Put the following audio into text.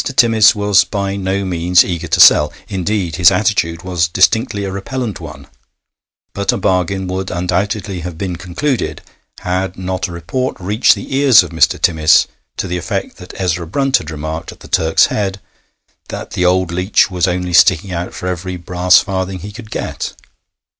Timmis was by no means eager to sell indeed, his attitude was distinctly a repellent one but a bargain would undoubtedly have been concluded had not a report reached the ears of Mr. Timmis to the effect that Ezra Brunt had remarked at the Turk's Head that 'th' old leech was only sticking out for every brass farthing he could get.'